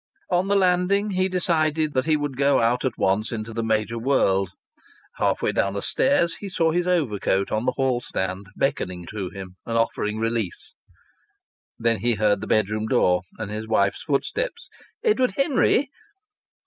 On the landing he decided that he would go out at once into the major world. Half way down the stairs he saw his overcoat on the hall stand beckoning to him and offering release. Then he heard the bedroom door and his wife's footsteps. "Edward Henry!"